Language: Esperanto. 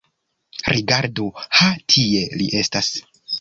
Rigardu: ha tie li estas.